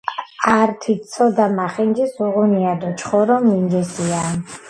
ართი ცოდა მახინჯის უღუნია დო ჩხორო – მინჯესია